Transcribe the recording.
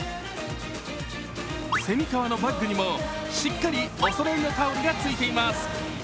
蝉川のバッグにもしっかりおそろいのタオルがついています。